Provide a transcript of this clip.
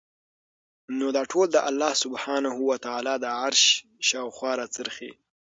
نو دا ټول د الله سبحانه وتعالی د عرش شاوخوا راڅرخي